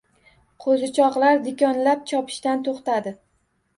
Qo‘zichoqlar dikonglab chopishdan to‘xtadi.